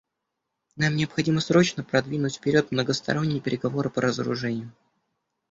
Нам необходимо срочно продвинуть вперед многосторонние переговоры по разоружению.